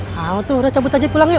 wow tuh udah cabut aja pulang yuk